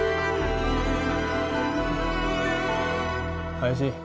林。